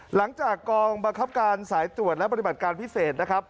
หลังจากกองบังคับการสายตรวจและปฏิบัติการพิเศษนะครับ